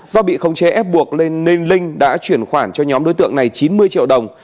do bị khống chế ép buộc nên nên linh đã chuyển khoản cho nhóm đối tượng này chín mươi triệu đồng